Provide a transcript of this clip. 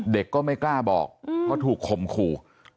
ก็ไม่กล้าบอกเพราะถูกข่มขู่